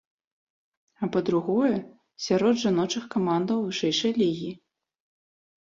А па другое, сярод жаночых камандаў вышэйшай лігі.